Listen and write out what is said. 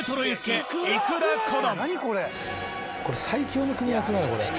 これ最強の組み合わせだよこれ。